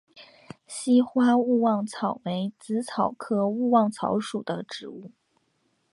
稀花勿忘草为紫草科勿忘草属的植物。